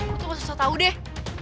gue tuh gak usah tau deh